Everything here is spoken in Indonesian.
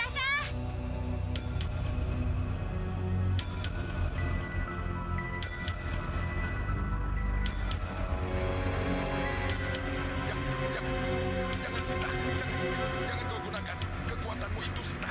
jangan jangan jangan sita jangan kau gunakan kekuatanmu itu sita